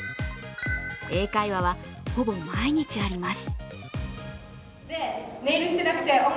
英会話はほぼ毎日あります。